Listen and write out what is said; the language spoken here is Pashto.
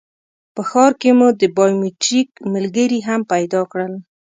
په ښار کې مو د بایومټریک ملګري هم پیدا کړل.